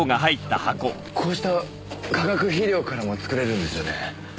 こうした化学肥料からも作れるんですよね？